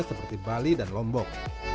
seperti bali dan lombok